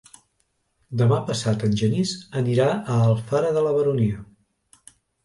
Demà passat en Genís anirà a Alfara de la Baronia.